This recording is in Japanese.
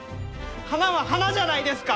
花は花じゃないですか！